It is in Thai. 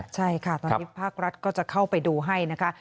ใช่ค่ะตอนนี้ภาครัฐก็จะเข้าไปดูให้นะคะ